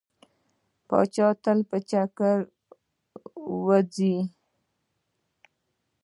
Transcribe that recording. پاچا تل په چکر وځي.